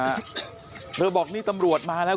ตักให้ไม่ลืมนะนี่ฮะเธอบอกนี่ตำรวจมาแล้ว